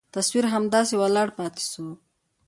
تصوير همداسې ولاړ پاته سو.